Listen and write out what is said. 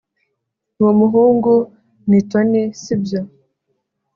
uwo muhungu ni tony, si byo